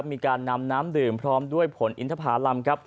มีการนำน้ำดื่มพร้อมด้วยผลอินทภารำครับ